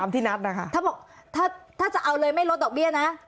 ถ้าบอกจะเอาเลยไม่รดดอกเบี้ยนะ